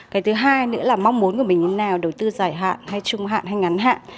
cái thứ hai nữa là mong muốn của mình như thế nào đầu tư dài hạn hay trung hạn hay ngắn hạn